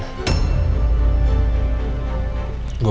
gue butuh uang guys